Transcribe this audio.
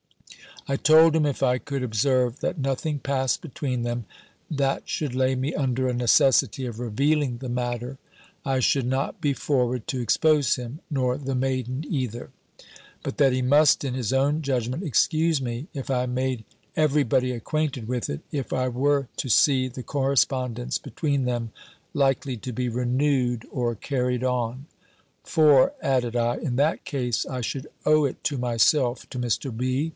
I told him, if I could observe that nothing passed between them, that should lay me under a necessity of revealing the matter, I should not be forward to expose him, nor the maiden either: but that he must, in his own judgment, excuse me, if I made every body acquainted with it, if I were to see the correspondence between them likely to be renewed or carried on: "For," added I, "in that case I should owe it to myself, to Mr. B.